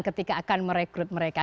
ketika akan merekrut mereka